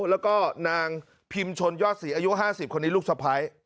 แล้วก็นางพิมชนยอดศรีอายุ๕๐คนนี้ลูกสะพ้าย